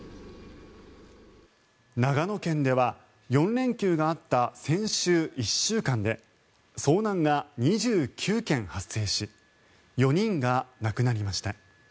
長野県では４連休があった先週１週間で遭難が２９件発生し４人が亡くなりました。